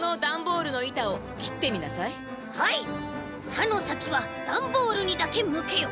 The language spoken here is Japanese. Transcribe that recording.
「はのさきはダンボールにだけむけよ！」。